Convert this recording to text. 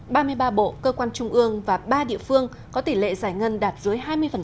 ba mươi ba bộ cơ quan trung ương và ba địa phương có tỷ lệ giải ngân đạt dưới hai mươi